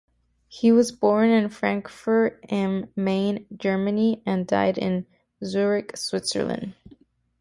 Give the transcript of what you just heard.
He was born in Frankfurt am Main, Germany, and died in Zurich, Switzerland.